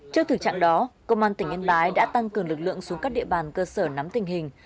trước thực trạng đó công an tỉnh yên bái đã tăng cường lực lượng xuống các địa bàn cơ sở nắm tình hình